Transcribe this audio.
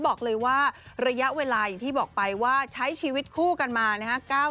บอกเลยว่าระยะเวลาอย่างที่บอกไปว่าใช้ชีวิตคู่กันมานะครับ